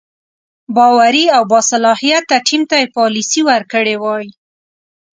باوري او باصلاحیته ټیم ته یې پالیسي ورکړې وای.